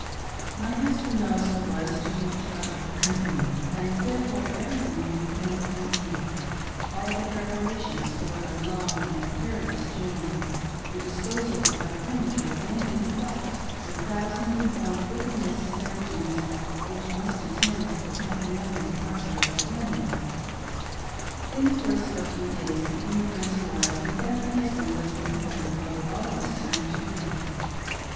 My hus band also was to take charge of the company, and therefore everything would depend upon me — all the preparations for our long and perillous journey, the disposal of our furniture, and, in fact, the thousand and one little necessary duties which must attend the packing up and departure of a family. In the course of a few days the emigrants arrived, and then my husband was compelled to devote ^11 his time to them.